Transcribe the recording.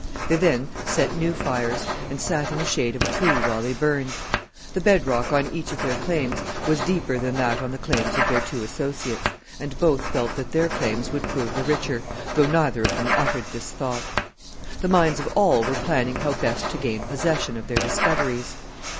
They then set new fires, and sat in the shade of a tree while they burned. The bed rock on each of their claims was deeper than that on the claims of their two associates, and both felt that their claims would prove the richer, though neither of them uttered this thought. The minds of all were planning how best to gain possession of their discoveries.